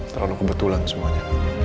terlalu kebetulan semuanya